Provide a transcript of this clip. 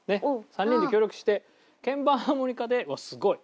３人で協力して鍵盤ハーモニカでうわっすごい。